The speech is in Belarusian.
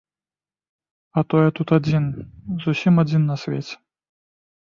А то я тут адзін, зусім адзін на свеце.